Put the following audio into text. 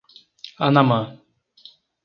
Anamã